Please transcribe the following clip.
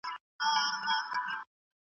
هره ورځ به درلېږي سل رحمتونه